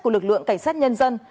của lực lượng cảnh sát nhân dân